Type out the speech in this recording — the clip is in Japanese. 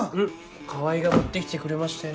川合が持って来てくれましたよ。